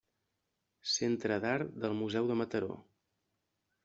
Centre d'Art del Museu de Mataró.